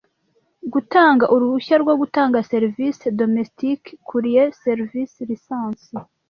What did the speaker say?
gutanga uruhushya rwo gutanga serivisi domestic courier services license